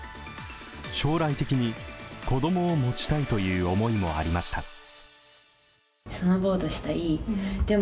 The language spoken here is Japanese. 将来的に子供を持ちたいという思いもありました。